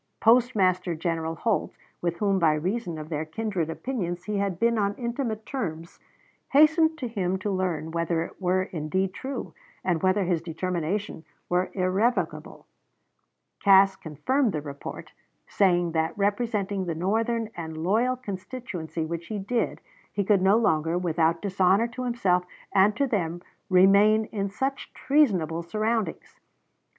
Postmaster General Holt, with whom by reason of their kindred opinions he had been on intimate terms, hastened to him to learn whether it were indeed true and whether his determination were irrevocable. Cass confirmed the report, saying that representing the Northern and loyal constituency which he did, he could no longer without dishonor to himself and to them remain in such treasonable surroundings.